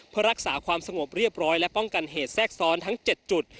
เพื่อรักษาความสงบเรียบร้อยและป้องกันเหตุแทรกซ้อนทั้ง๗จุด